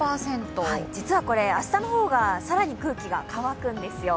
実はこれ、明日の方が更に空気が乾くんですよ。